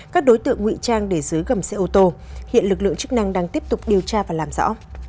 các đối tượng ngụy trang để dưới gầm xe ô tô hiện lực lượng chức năng đang tiếp tục điều tra và làm rõ